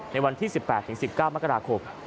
ในวันที่๑๘๑๙มกราคม